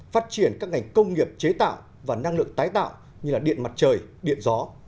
phát triển các ngành công nghiệp chế tạo và năng lượng tái tạo như điện mặt trời điện gió